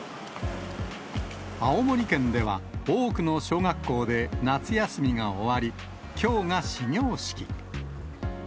青森県では、多くの小学校で夏休みが終わり、きょうが始業式。